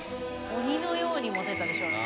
鬼のようにモテたでしょうね。